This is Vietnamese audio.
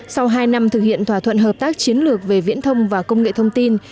sau hai năm thực hiện thỏa thuận hợp tác chiến lược về viễn thông và công nghệ thông tin